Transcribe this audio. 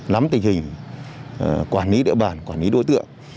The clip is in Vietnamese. nắm tình hình quản lý địa bàn quản lý đối tượng